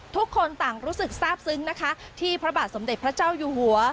ทุกคนต่างรู้สึกทราบซึ้งนะคะที่พระบาทสมเด็จพระเจ้าอยู่หัว